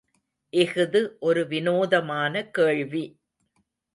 இஃது ஒரு வினோதமான கேள்வி!